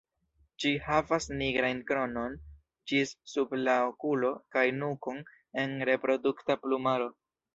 Ĝi havas nigrajn kronon ĝis sub la okulo kaj nukon en reprodukta plumaro.